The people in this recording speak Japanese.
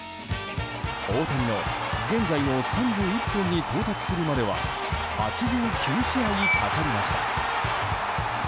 大谷の現在の３１本に到達するまでは８９試合かかりました。